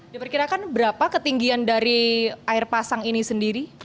diperkirakan berapa ketinggian dari air pasang ini sendiri